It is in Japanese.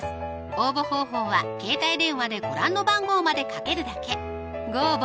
応募方法は携帯電話でご覧の番号までかけるだけご応募